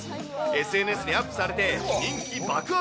ＳＮＳにアップされて人気爆発。